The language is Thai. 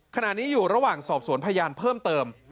ขณะนี้อยู่ระหว่างสอบสวนพยานเพิ่มเติม